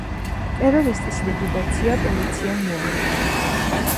ტერორისტის ლიკვიდაცია პოლიციამ მოახდინა.